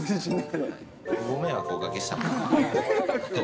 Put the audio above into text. ご迷惑をおかけした。